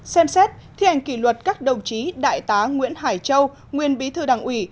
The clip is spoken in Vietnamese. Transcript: ba xem xét thi hành kỷ luật các đồng chí đại tá nguyễn hải châu nguyên bí thư đảng ủy